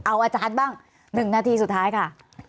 เอาอาจารย์บ้าง๑นาทีสุดท้ายค่ะ